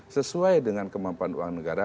sesuai dengan kemampuan uang negara